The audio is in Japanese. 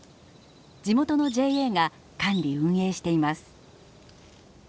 地元のＪＡが管理・運営しています。